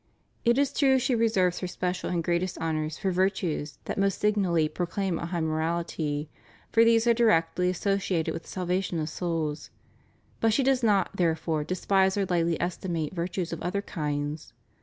It is true she reserves her special and greatest honors for virtues that most signally pro claim a high morality, for these are directly associated with the salvation of souls; but she does not, therefore, despise or lightly estimate \'irtues of other kinds.